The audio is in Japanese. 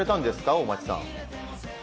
大町さん。